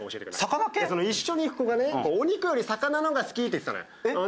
一緒に行く子がお肉より魚の方が好きって言ってたのよ。